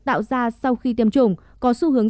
tạo ra sau khi tiêm chủng có xu hướng